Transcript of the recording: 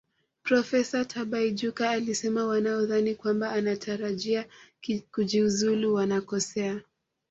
Profesa Tibaijuka alisema wanaodhani kwamba anatarajia kujiuzulu wanakosea